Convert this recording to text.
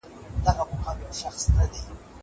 زه له سهاره ليکنې کوم!!